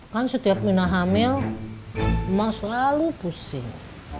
kan setiap mina hamil memang selalu pusing